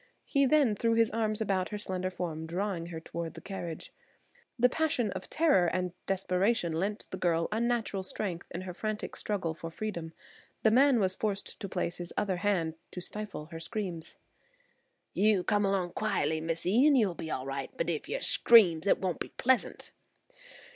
He then threw his arm about her slender form, drawing her towards the carriage. The passion of terror and desperation lent the girl unnatural strength in her frantic struggle for freedom. The man was forced to place his other hand to stifle her screams. "You come along quietly, missee, an' you'll be all right; but ef yer screams it won't be pleasant."